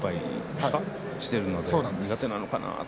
苦手なのかなと。